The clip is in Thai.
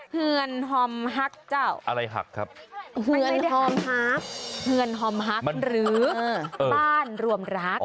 เฮือนฮอมฮักเจ้าอะไรฮักครับเฮือนฮอมฮักหรือบ้านรวมรัก